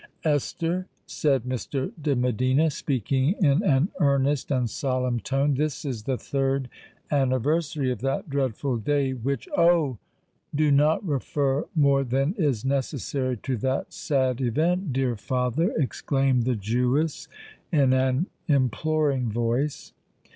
"Esther," said Mr. de Medina, speaking in an earnest and solemn tone, "this is the third anniversary of that dreadful day which——" "Oh! do not refer more than is necessary to that sad event, dear father!" exclaimed the Jewess, in an imploring voice.